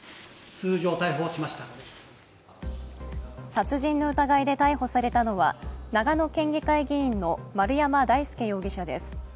殺人の疑いで逮捕されたのは長野県議会議員の丸山大輔容疑者です。